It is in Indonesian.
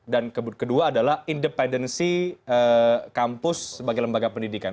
dan kedua adalah independensi kampus sebagai lembaga pendidikan